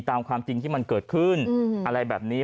ตามความจริงที่มันเกิดขึ้นอะไรแบบนี้